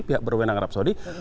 pihak berwenang arab saudi